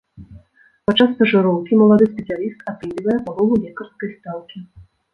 Падчас стажыроўкі малады спецыяліст атрымлівае палову лекарскай стаўкі.